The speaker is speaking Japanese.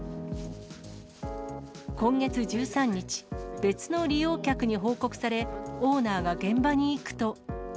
今月１３日、別の利用客に報告され、オーナーが現場に行くと。